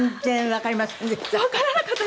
わからなかったですか？